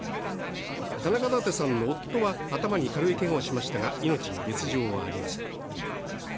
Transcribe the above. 田中舘さんの夫は頭に軽いけがをしましたが命に別状はありません。